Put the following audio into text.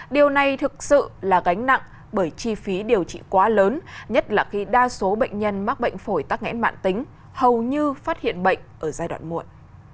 điều này thực sự là gánh nặng bởi chi phí điều trị quá lớn nhất là khi đa số bệnh nhân mắc bệnh phổi tắc nghẽn mạng tính hầu như phát hiện bệnh ở giai đoạn muộn